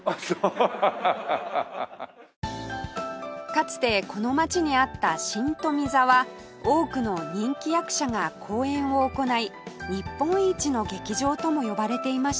かつてこの街にあった新富座は多くの人気役者が公演を行い日本一の劇場とも呼ばれていました